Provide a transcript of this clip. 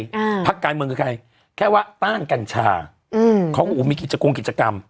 อ่าพักการเมืองคือใครแค่ว่าต้านกัญชาอืมเขาก็อูมีกิจโกงกิจกรรม